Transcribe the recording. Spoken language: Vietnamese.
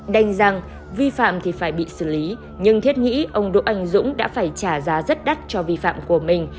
đành rằng vi phạm thì phải bị xử lý nhưng thiết nghĩ ông đỗ anh dũng đã phải trả giá rất đắt cho vi phạm của mình